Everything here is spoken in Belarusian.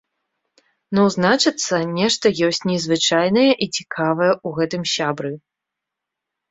Ну, значыцца, нешта ёсць незвычайнае і цікавае ў гэтым сябры.